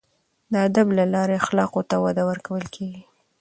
د ادب له لارې اخلاقو ته وده ورکول کیږي.